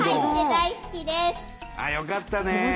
よかったね！